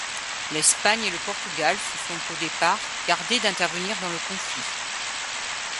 L'Espagne et le Portugal se sont au départ gardés d'intervenir dans le conflit.